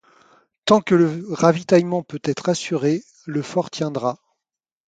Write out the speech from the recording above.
Tant que le ravitaillement peut être assuré, le fort tiendra.